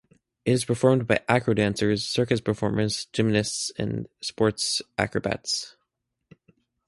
It is performed by acro dancers, circus performers, gymnasts, and sports acrobats.